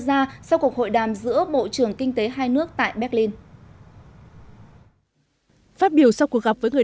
ra sau cuộc hội đàm giữa bộ trưởng kinh tế hai nước tại berlin phát biểu sau cuộc gặp với người